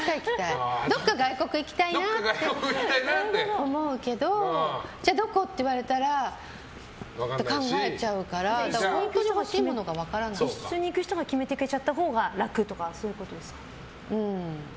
どっか外国行きたいなって思うけどじゃあ、どこ？って言われたら考えちゃうから一緒に行く人が決めてくれちゃったほうが楽とかそういうことですか？